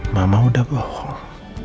mama udah bohong